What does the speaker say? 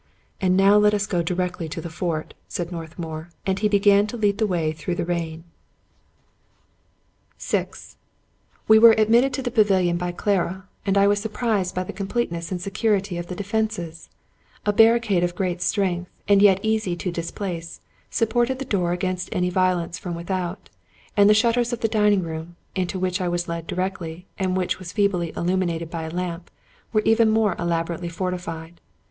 "And now let us go directly to the fort," said North mour ; and be began to lead the way through the rain. i88 Robert Louis Stevenson VI We were admitted to the pavilion by Clara, and I was surprised by the completeness and security of the defenses, A barricade of great strength, and yet easy to displace, sup ported the door against any violence from without ; and the shutters of the dining room, into which I was led directly, and which was feebly illuminated by a lamp, were even more elaborately fortified.